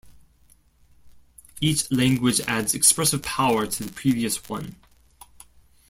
Each language adds expressive power to the previous one.